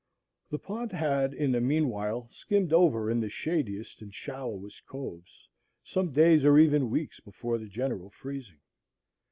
The pond had in the mean while skimmed over in the shadiest and shallowest coves, some days or even weeks before the general freezing.